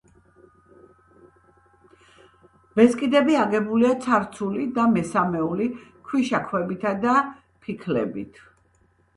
ბესკიდები აგებულია ცარცული და მესამეული ქვიშაქვებითა და ფიქლებით.